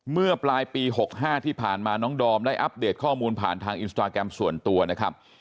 เมื่อปลายปี๖๕ที่ผ่านมาน้องดอมได้อัปเดตข้อมูลผ่านทางอินสตราแกรมส่วนตัวนะครับ